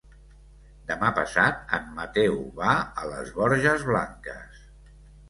Demà passat en Mateu va a les Borges Blanques.